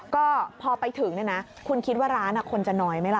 ก็พอไปถึงเนี่ยนะคุณคิดว่าร้านคนจะน้อยไหมล่ะ